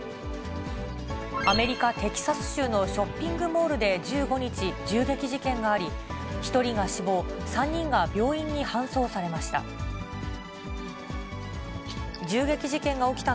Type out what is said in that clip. アメリカ・テキサス州のショッピングモールで１５日、銃撃事件があり、１人が死亡、３人が病院に搬送されました。